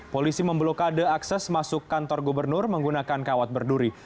polisi memblokade akses masuk kantor gubernur menggunakan kawat berduri